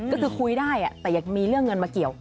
ก็คือคุยได้แต่อยากมีเรื่องเงินมาเกี่ยว